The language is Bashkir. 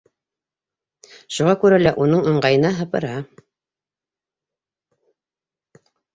Шуға күрә лә ул уның ыңғайына һыпыра: